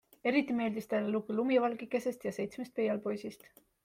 Eriti meeldis talle lugu Lumivalgekesest ja seitsmest pöialpoisist.